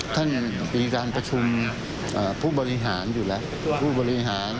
ท่านผู้วิจารณ์ประชุมพุทธบริหารด้วย